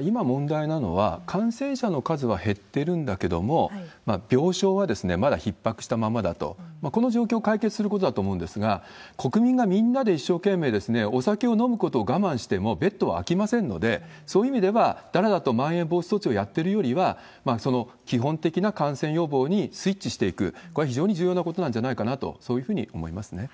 今、問題なのは、感染者の数は減ってるんだけれども、病床はまだひっ迫したままだと。この状況を解決することだと思うんですが、国民がみんなで一生懸命お酒を飲むことを我慢してもベッドは空きませんので、そういう意味では、だらだらとまん延防止措置をやってるよりは、その基本的な感染予防にスイッチしていく、これは非常に重要なことなんじゃないかなと、そういうふうに思いますね。